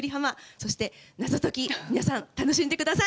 そして、謎解き皆さん、楽しんでください！